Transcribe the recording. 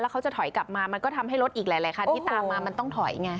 เขาจะถอยกลับมามันก็ทำให้รถอีกหลายคันที่ตามมามันต้องถอยไง